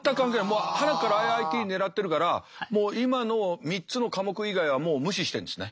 もうはなからＩＩＴ狙ってるからもう今の３つの科目以外はもう無視してるんですね。